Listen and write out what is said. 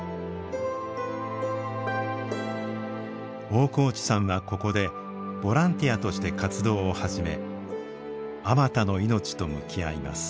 大河内さんはここでボランティアとして活動を始めあまたの命と向き合います。